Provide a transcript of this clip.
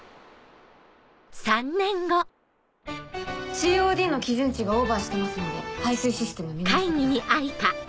ＣＯＤの基準値がオーバーしていますので排水システム見直してください。